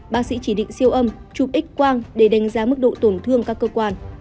bác sĩ chỉ định siêu âm chụp x quang để đánh giá mức độ tổn thương các cơ quan